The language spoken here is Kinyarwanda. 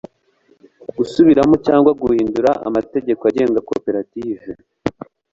gusubiramo cyangwa guhindura amategeko agenga koperative